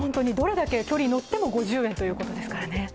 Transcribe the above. どれだけ距離乗っても５０円ということですよね。